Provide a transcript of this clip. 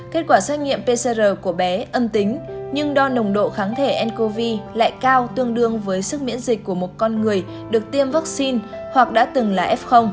kết quả xét nghiệm pcr của bé âm tính nhưng đo nồng độ kháng thể ncov lại cao tương đương với sức miễn dịch của một con người được tiêm vaccine hoặc đã từng là f